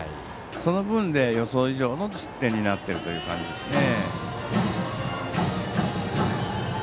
その分で、予想以上の失点になっている感じですね。